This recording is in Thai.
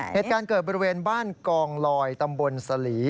เหตุการณ์เกิดบริเวณบ้านกองลอยตำบลสลี